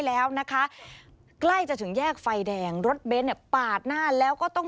แล้วนะคะใกล้จะถึงแยกไฟแดงรถเบนท์เนี่ยปาดหน้าแล้วก็ต้อง